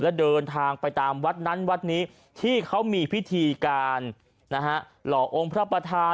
แล้วเดินทางไปตามวัดนั้นวัดนี้ที่เขามีพิธีการนะฮะหล่อองค์พระประธาน